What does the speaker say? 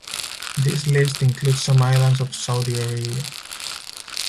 This list includes some islands of Saudi Arabia.